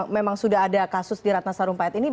memang sudah ada kasus di ratna sarumpait ini